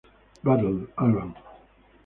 Butler, Alban.